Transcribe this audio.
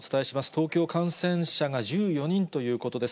東京、感染者が１４人ということです。